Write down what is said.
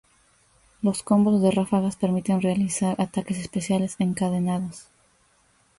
Los Combos de Ráfagas permite realizar ataques especiales encadenados.